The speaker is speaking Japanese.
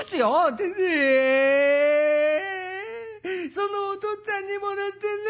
「そのおとっつぁんにもらったんだ。